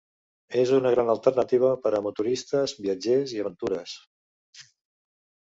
És una gran alternativa per a motoristes viatgers i aventures.